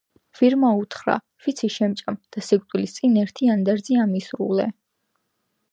ვირმა უთხრა: ვიცი, შემჭამ და სიკვდილის წინ ერთი ანდერძი ამისრულე